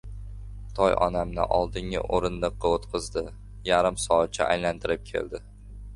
Toy onamni oldingi o‘rindiqqa o‘tqizdi. Yarim soatcha aylantirib keldi.